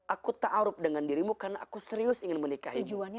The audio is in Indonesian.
aku ta'aruf dengan dirimu karena aku serius ingin menikahi